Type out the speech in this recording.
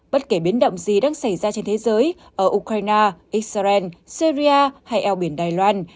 bất kể biến động gì đang xảy ra trên thế giới ở ukraine israel syria hay eo biển đài loan